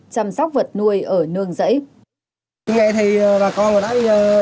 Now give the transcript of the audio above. chăm sóc vật nuôi ở nương rẫy